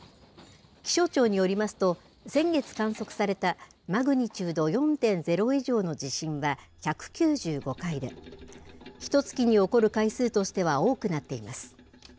気象庁によりますと、先月観測されたマグニチュード４．０以上の地震は１９５回で、ひとつきに起こる回数としては多くなっています。